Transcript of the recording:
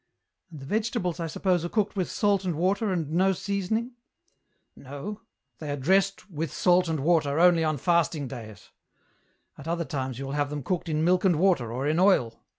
" And the vegetables, I suppose, are cooked with salt and water, and no seasoning ?"'* No, they are dressed with salt and water only on fast ing days ; at other times you will have them cooked in milk and water, or in oil."